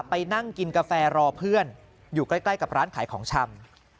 ไปนั่งกินกาแฟรอเพื่อนอยู่ใกล้กับร้านขายของชำ